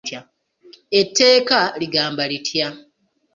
Etteeka ligamba litya?